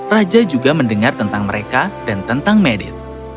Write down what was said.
raja juga mendengar tentang mereka dan tentang medit